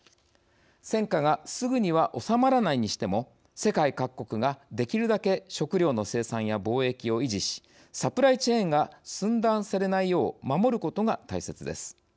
戦火が、すぐには収まらないにしても世界各国ができるだけ食糧の生産や貿易を維持しサプライチェーンが寸断されないよう守ることが大切です。